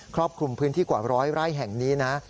รอบคลุมพื้นที่กว่าร้อยไร่แห่งนี้นะ